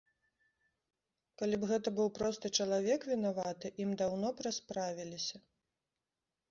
Калі б гэта быў просты чалавек вінаваты, ім даўно б расправіліся.